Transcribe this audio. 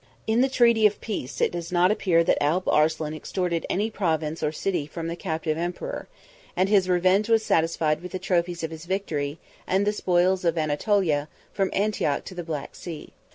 ] In the treaty of peace, it does not appear that Alp Arslan extorted any province or city from the captive emperor; and his revenge was satisfied with the trophies of his victory, and the spoils of Anatolia, from Antioch to the Black Sea.